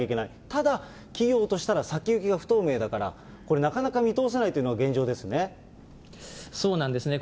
ただ、企業としたら先行きが不透明だから、なかなか見通せないとそうなんですね。